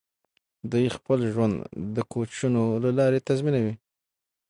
دوی خپل ژوند د کوچونو له لارې تنظیموي.